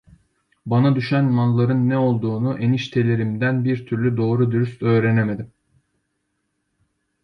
Bana düşen malların ne olduğunu eniştelerimden bir türlü doğru dürüst öğrenemedim.